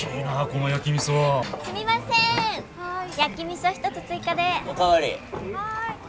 はい。